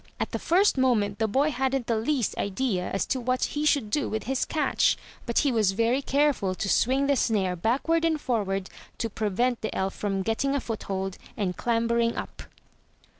At the first moment the boy hadn't the least idea as to what 412 THROUGH FAIRY HALLS he should do with his catch; but he was very careful to swing the snare backward and forward, to prevent the elf from getting a foothold and clambering up.